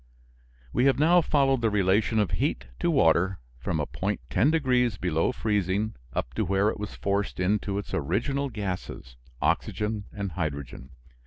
We have now followed the relation of heat to water from a point 10 degrees below freezing up to where it was forced into its original gases, oxygen and hydrogen.